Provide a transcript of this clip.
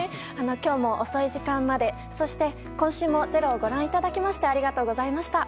今日も遅い時間までそして今週も「ｚｅｒｏ」をご覧いただきましてありがとうございました。